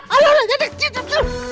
aduh ada kicap